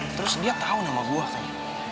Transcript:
terus dia tau nama gue kan